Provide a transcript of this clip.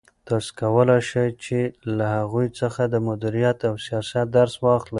تاسو کولای شئ چې له هغوی څخه د مدیریت او سیاست درس واخلئ.